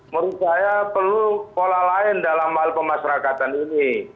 menurut saya perlu pola lain dalam hal pemasrakatan ini